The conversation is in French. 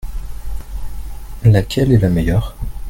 Laquelle est la meilleure ?